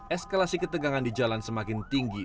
eskalasi ketegangan di jalan semakin tinggi